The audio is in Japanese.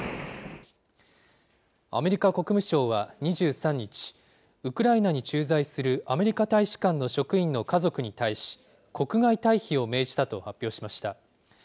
アメリカ国務省は２３日、ウクライナに駐在するアメリカ大使館の職員の家族に対し、国外退避を命じたと発表しました。